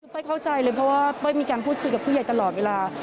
เป้ยเข้าใจเลยเพราะว่าเป้ยมีการพูดคุยกับผู้ใหญ่ตลอดเวลา